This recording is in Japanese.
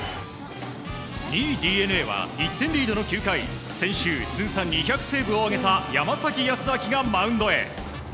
２位、ＤｅＮＡは１点リードの９回先週、通算２００セーブを挙げた山崎康晃がマウンドへ。